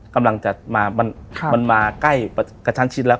กำลังจะมามันมาใกล้กระชั้นชิดแล้ว